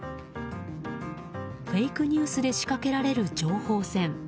フェイクニュースで仕掛けられる情報戦。